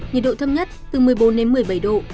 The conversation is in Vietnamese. nhiệt độ thấp nhất từ một mươi bốn đến một mươi bảy độ